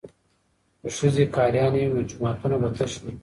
که ښځې قاریانې وي نو جوماتونه به تش نه وي.